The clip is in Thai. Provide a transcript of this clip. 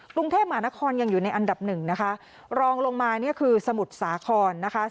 กรุงเทพมหานครยังอยู่ในอันดับหนึ่งนะคะรองลงมาเนี่ยคือสมุทรสาครนะคะ